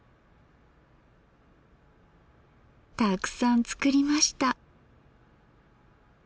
たくさん作りました。